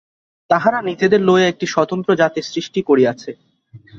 তাহারা নিজেদের লইয়া একটি স্বতন্ত্র জাতি সৃষ্টি করিয়াছে।